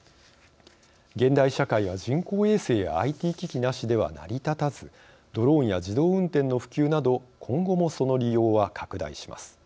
現代社会は人工衛星やＩＴ機器なしでは成り立たずドローンや自動運転の普及など今後も、その利用は拡大します。